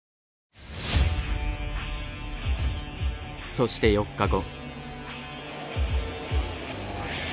そして４日後。